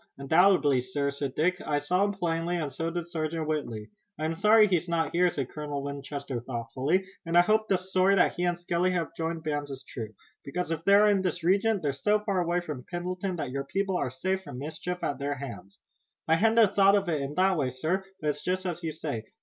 "Undoubtedly, sir," said Dick. "I saw him plainly, and so did Sergeant Whitley." "I'm not sorry he's here," said Colonel Winchester thoughtfully, "and I hope the story that he and Skelly have joined bands is true, because if they are in this region they're so far away from Pendleton that your people are safe from mischief at their hands." "I hadn't thought of it in that way, sir, but it's just as you say.